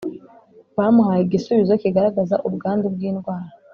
Bamuhaye igisubizo kigaragaza ubwandu bw’indwara